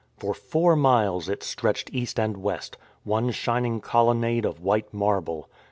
For four miles it stretched east and west, one shining colonnade of white marble.